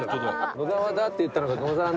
「野沢だ」って言ったのが「野沢菜」に。